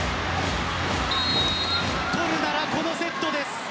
取るなら、このセットです。